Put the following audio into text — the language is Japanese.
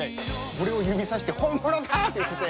俺を指さして「本物だ！」って言ってて。